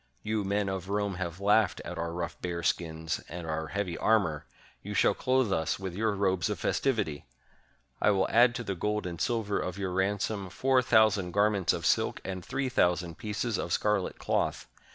You men of Rome have laughed at our rough bear skins and our heavy armor; you shall clothe us with your robes of festivity! I will add to the gold and silver of your ransom, four thousand garments of silk and three thousand pieces of scarlet cloth.